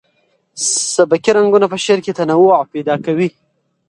سبکي رنګونه په شعر کې تنوع پیدا کوي.